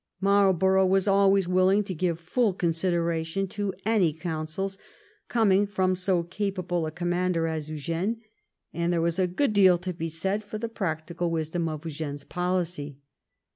Marlborough was always willing to give full consideration to any coun sels coming from so capable a commander as Eugene, and there was a good deal to be said for the practical wisdom of Eugene's policy.